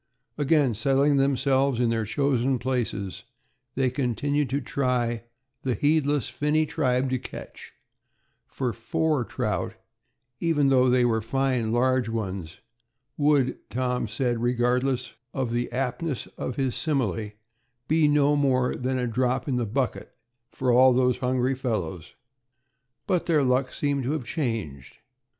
Again settling themselves in their chosen places, they continued to try "the heedless finny tribe to catch"; for four trout, even though they were fine, large ones, would, Tom said, regardless of the aptness of his simile, be no more than "a drop in the bucket for all those hungry fellows"; but their luck seemed to have changed.